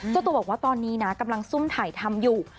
เจ้าตัวบอกว่าตอนนี้นะกำลังซุ่มถ่ายทำอยู่